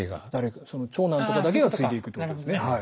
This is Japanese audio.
長男とかだけが継いでいくってことですね。